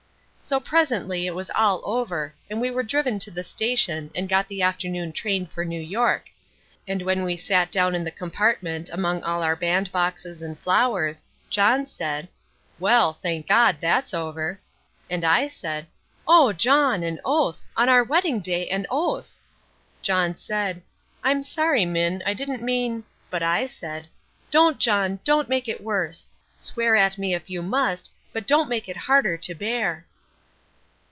So presently it was all over and we were driven to the station and got the afternoon train for New York, and when we sat down in the compartment among all our bandboxes and flowers, John said, "Well, thank God, that's over." And I said, "Oh, John, an oath! on our wedding day, an oath!" John said, "I'm sorry, Minn, I didn't mean " but I said, "Don't, John, don't make it worse. Swear at me if you must, but don't make it harder to bear."